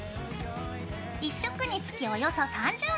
１色につきおよそ３０枚。